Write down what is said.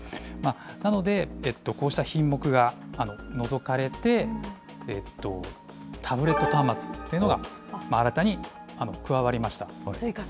なので、こうした品目が除かれて、タブレット端末というのが、新たに加わりました。